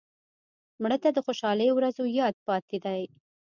مړه ته د خوشحالۍ ورځو یاد پاتې دی